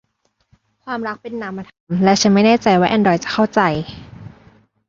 ความรักเป็นนามธรรม และฉันไม่แน่ใจว่าแอนดรอยด์จะเข้าใจ